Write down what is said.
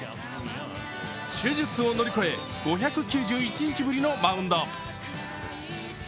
手術を乗り越え、５９１日ぶりのマウンド。